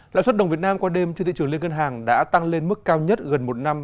lãi suất đồng việt nam qua đêm trên thị trường liên ngân hàng đã tăng lên mức cao nhất gần một năm